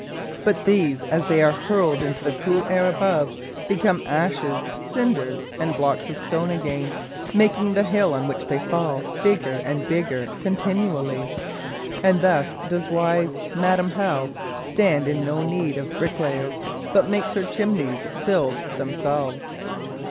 But these, as they are hurled into the cool air above, become ashes, cinders, and blocks of stone again, making the hill on which they fall bigger and bigger continually. And thus does wise Madam How stand in no need of bricklayers, but makes her chimneys build themselves.